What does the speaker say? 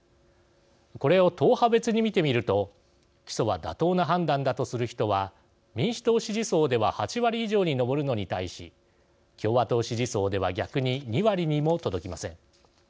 これを党派別に見てみると起訴は妥当な判断だとする人は民主党支持層では８割以上に上るのに対し共和党支持層では、逆に２割にも届きません。